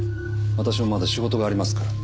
私もまだ仕事がありますから。